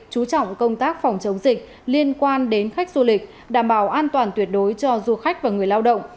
chú trọng công tác phòng chống dịch liên quan đến khách du lịch đảm bảo an toàn tuyệt đối cho du khách và người lao động